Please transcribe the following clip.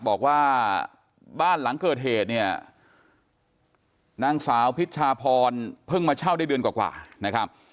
บอกว่าบ้านหลังเกิดเหตุเนี่ยนางสาวพิชชาพรเพิ่งมาเช่าได้เดือนกว่านะครับ